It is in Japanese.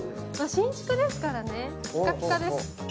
新築ですからね、ピカピカです。